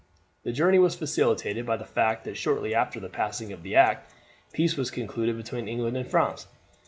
The journey was facilitated by the fact that shortly after the passing of the act, peace was concluded between England and France.